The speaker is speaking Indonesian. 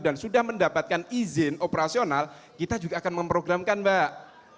dan sudah mendapatkan izin operasional kita juga akan memprogramkan mbak